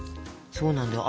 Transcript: そうなんだよ。